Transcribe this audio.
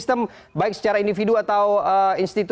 saya ke pak dhani